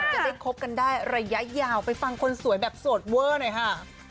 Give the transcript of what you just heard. จะได้คบกันได้ระยะยาวไปฟังคนสวยแบบโสดเวอร์หน่อยค่ะ